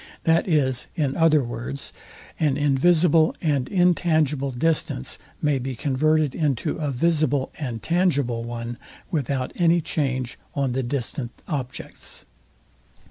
That is, in other words, an invisible and intangible distance may be converted into a visible and tangible one, without any change on the distant objects.